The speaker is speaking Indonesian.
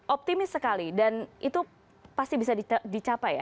optimis sekali dan itu pasti bisa dicapai ya